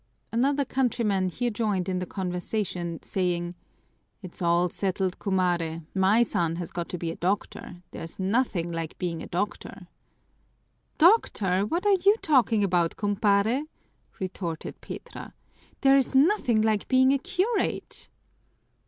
Another countryman here joined in the conversation, saying, "It's all settled, cumare, my son has got to be a doctor, there's nothing like being a doctor!" "Doctor! What are you talking about, cumpare?" retorted Petra. "There's nothing like being a curate!"